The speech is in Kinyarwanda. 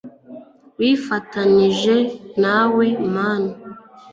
wifatanije nawe, mama